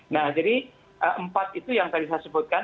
nah jadi empat itu yang tadi saya sebutkan